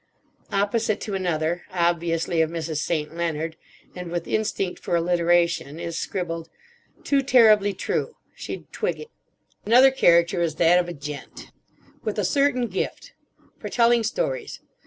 Opposite to another—obviously of Mrs. St. Leonard, and with instinct for alliteration—is scribbled; "Too terribly true. She'd twig it." Another character is that of a gent: "With a certain gift. For telling stories.